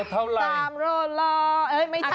ตามโรดรอไม่ใช่